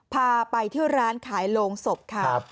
พาไปที่ร้านขายโรงศพค่ะ